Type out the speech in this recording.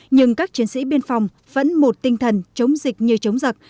nhưng các chiến sĩ biên phòng vẫn một tinh thần chống dịch như chống giặc